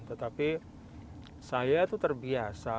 tetapi saya tuh terbiasa